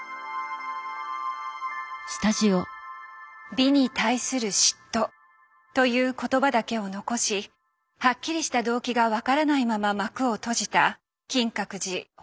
「美に対する嫉妬」という言葉だけを残しはっきりした動機が分からないまま幕を閉じた金閣寺放火事件。